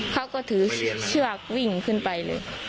เขาก็ถือเชือกวิ่งขึ้นไปเลย